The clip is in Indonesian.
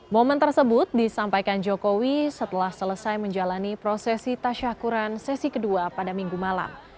momen tersebut disampaikan jokowi setelah selesai menjalani prosesi tasyahkuran sesi kedua pada minggu malam